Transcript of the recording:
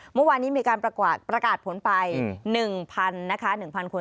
เมื่อวานนี้มีการประกาศผลไป๑๐๐นะคะ๑๐๐คน